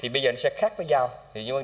vẽ đuestas nhiều các quốc gia đang sử dụng